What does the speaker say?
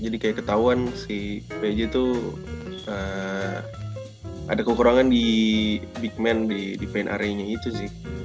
jadi kayak ketauan si pg tuh ada kekurangan di big man di pain area nya itu sih